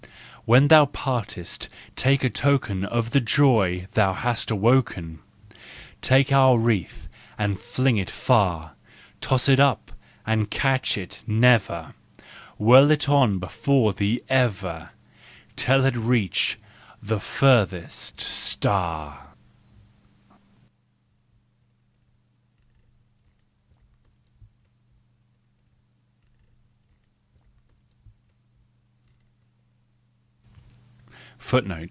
When thou partest, take a token Of the joy thou hast awoken, Take ou^wreath and fling it far; Toss it urf'sjjjrid catch it never, Whirl it pw? before thee qver, Till it le^ch the farthest star.